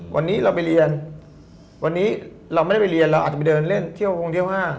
วันนี้เราไปเรียนวันนี้เราไม่ได้ไปเรียนเราอาจจะไปเดินเล่นเที่ยวฮงเที่ยวห้าง